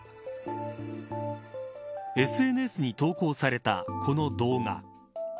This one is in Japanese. ＳＮＳに投稿された、この動画。